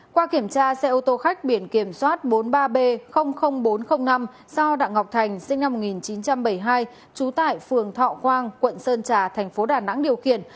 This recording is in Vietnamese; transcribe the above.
qua kiểm tra xe ô tô khách biển kiểm soát bốn mươi ba b bốn trăm linh năm do đặng ngọc thành sinh năm một nghìn chín trăm bảy mươi hai trú tại phường thọ quang quận sơn trà thành phố đà nẵng điều khiển